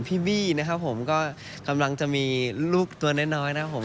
พี่บี้นะครับผมก็กำลังจะมีลูกตัวน้อยนะครับผม